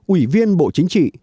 ủy viên bộ chính trị